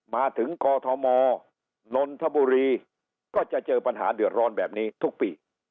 มาถึงกอทมนนทบุรีก็จะเจอปัญหาเดือดร้อนแบบนี้ทุกปี